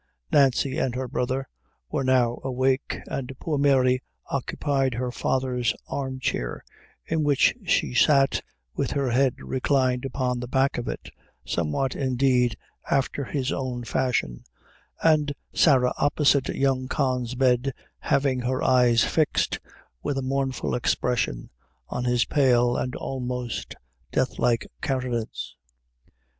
Nancy and her brother were now awake, and poor Mary occupied her father's arm chair, in which she sat with her head reclined upon the back of it, somewhat, indeed, after his own fashion and Sarah opposite young Con's bed, having her eyes fixed, with a mournful expression, on his pale and almost deathlike countenance.